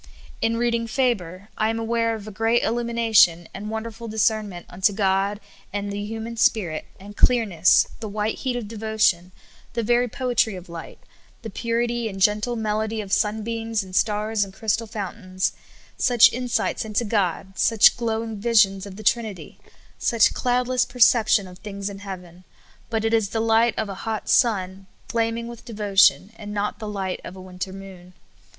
In reading Faber, I am aware of a great illumina tion and wonderful discernment unto God and the hu man spirit, and clearness, the white heat of devotion, the very poetry of light, the purit}' and gentle melod}' of sunbeams and stars and crystal fountains ; such in sights into God ; such glowing visions of the Trinity ; such cloudless perception of things in heaven. But it is the light of a hot sun flaming with devotion, and not the light of a winter moon.